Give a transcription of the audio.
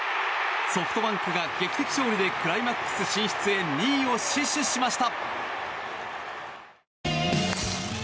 ソフトバンクが劇的勝利でクライマックス進出へ２位を死守しました。